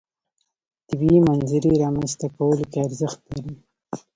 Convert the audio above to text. طبیعي منظرې رامنځته کولو کې ارزښت لري.